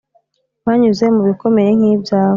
banyuze mu bikomeye nk’ibyawe